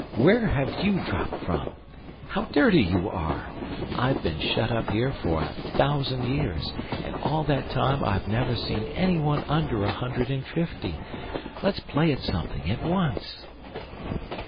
"Where have you dropped from? How dirty you are! I've been shut up here for a thousand years, and all that time I've never seen any one under a hundred and fifty! Let's play at something, at once!"